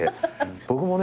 僕もね